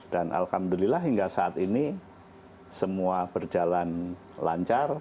dan alhamdulillah hingga saat ini semua berjalan lancar